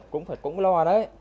cũng phải cũng lo đấy